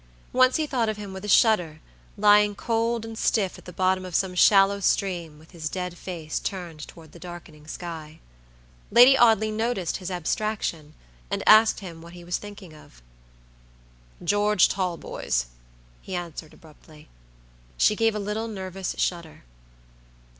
Once he thought of him with a shudder, lying cold and stiff at the bottom of some shallow stream with his dead face turned toward the darkening sky. Lady Audley noticed his abstraction, and asked him what he was thinking of. "George Talboys," he answered abruptly. She gave a little nervous shudder.